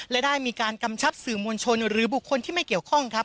และได้มีการกำชับสื่อมวลชนหรือบุคคลที่ไม่เกี่ยวข้องครับ